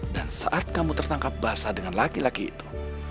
dan saat kamu tertangkap basah dengan laki laki itu